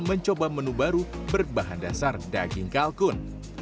mencoba menu baru berbahan dasar daging kalkun